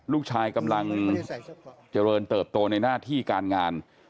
ลูกชายกำลังเจริญเติบโตในหน้าที่การงาน